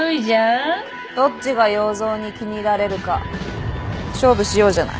どっちが要造に気に入られるか勝負しようじゃない。